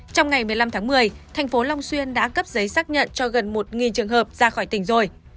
trong ngày một mươi năm tháng một mươi thành phố long xuyên đã cấp giấy xác nhận cho gần một trường hợp ra khỏi tỉnh rồi